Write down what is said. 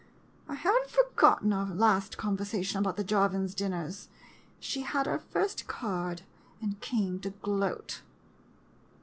I have n't forgotten our last conver sation about the Jarvin dinners — she had her first card, and came to gloat.